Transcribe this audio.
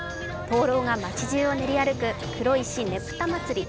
灯籠が街じゅうを練り歩く黒石ねぷた祭り。